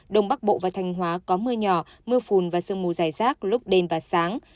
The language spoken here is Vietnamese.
đông bắc bộ và thanh hóa có mưa nhỏ mưa phùn và sương mù dài rác lúc đêm và sáng